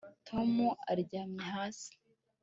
Tom aryamye hasi